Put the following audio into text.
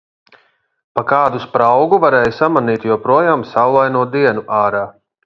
Pa kādu spraugu varēja samanīt joprojām saulaino dienu ārā.